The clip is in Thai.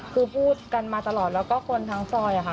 คือพูดกันมาตลอดแล้วก็คนทั้งซอยค่ะ